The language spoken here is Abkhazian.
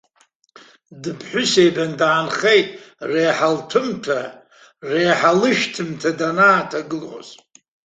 Дыԥҳәысеибаны даанхеит реиҳа лҭәымҭа, реиҳа лышәҭымҭа данааҭагылоз.